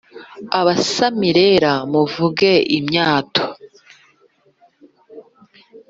Abasamirera muvuge imyato